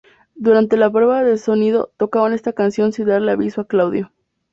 Durante la prueba de sonido tocaron esta canción sin darle aviso a Claudio.